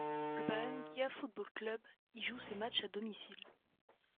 Le Barranquilla Fútbol Club y joue ses matchs à domicile.